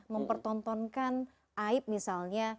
mempertontonkan aib misalnya